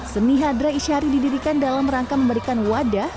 seni hadra isyari didirikan dalam rangka memberikan wadah